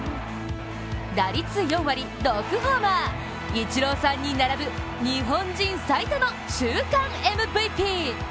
打率４割、６ホーマー、イチローさんに並ぶ日本人最多の週間ＭＶＰ！